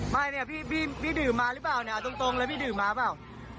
ไม่เนี่ยพี่ดื่มมาหรือเปล่าเนี่ยเอาตรงเลยพี่ดื่มมาเปล่า